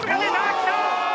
きた！